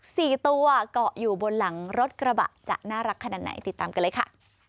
สี่ตัวเกาะอยู่บนหลังรถกระบะจะน่ารักขนาดไหนติดตามกันเลยค่ะ